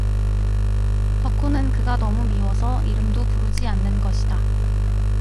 덕호는 그가 너무 미워서 이름도 부르지 않는 것이다.